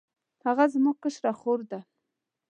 هغه زما کشره خور ده